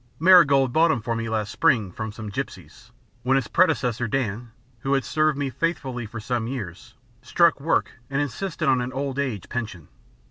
Marigold bought him for me last spring, from some gipsies, when his predecessor, Dan, who had served me faithfully for some years, struck work and insisted on an old age pension.